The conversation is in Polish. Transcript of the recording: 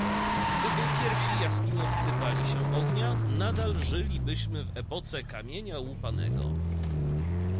Gdyby pierwsi jaskiniowcy bali się ognia, nadal żylibyśmy w epoce kamienia łupanego